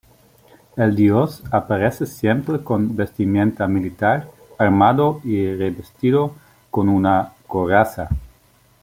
El dios aparece siempre con vestimenta militar, armado y revestido con una coraza.